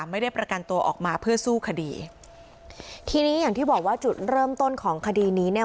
ไม่ได้ประกันตัวออกมาเพื่อสู้คดีทีนี้อย่างที่บอกว่าจุดเริ่มต้นของคดีนี้เนี่ย